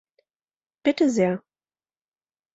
Bitte sehr!